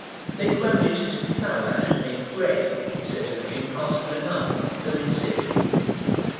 They ground it into flour and made bread, said to have been passable enough, though insipid.